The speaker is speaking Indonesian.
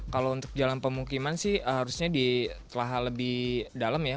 kalau untuk jalan pemukiman sih harusnya ditelah lebih dalam ya